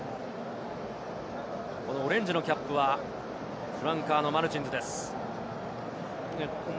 オレンジのキャップはフランカーのマルチンズですね。